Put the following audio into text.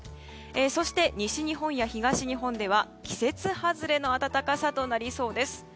そして、西日本や東日本では季節外れの暖かさとなりそうです。